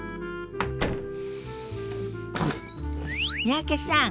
三宅さん